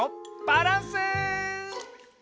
バランス！